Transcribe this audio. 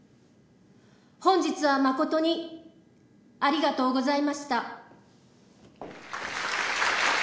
本日はまことにありがとうございました。